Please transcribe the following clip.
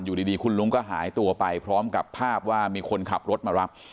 อยู่ดีคุณลุงก็หายตัวไปพร้อมกับภาพว่ามีคนขับรถมารับ